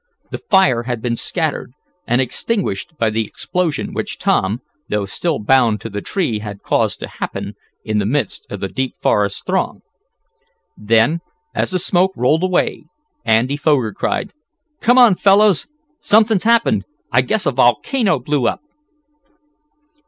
The fire had been scattered, and extinguished by the explosion which Tom, though still bound to the tree had caused to happen in the midst of the Deep Forest Throng. Then, as the smoke rolled away, Andy Foger cried: "Come on, fellows! Something's happened. I guess a volcano blew up!"